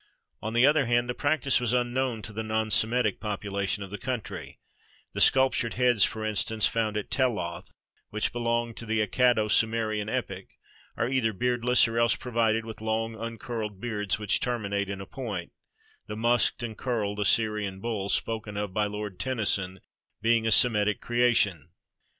On the other hand, the practice was un known to the non Semitic population of the country; the sculptured heads, for instance, found at Tel loth, which belong to the Accado Sumerian epoch, are either beardless or else provided with long uncurled beards which terminate in a point, "the musked and curled Assyrian bull," spoken of by Lord Tennyson, being a Semitic creation.